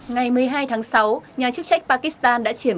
ngày một mươi hai tháng sáu nhà chức trách pakistan đã triển